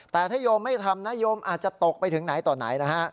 แต่ถ้าโยมไม่ทำนะโยมอาจจะตกไปถึงไหนต่อไหนนะฮะ